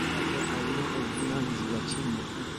Taata alina buvunaanyizibwa ki mu maka?